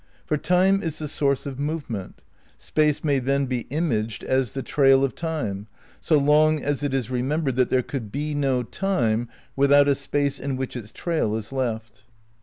For Time is the source of movement. Space may then be imaged as the trail of Time, so long as it is remembered that there could be no Time without a Space in which its trail is left."